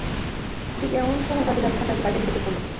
ঠিক এমন সময় তার দিকে আসতে থাকা একটি বাইকের দিকে চোখ গেল।